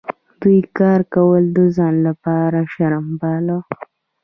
دوی کار کول د ځان لپاره شرم باله.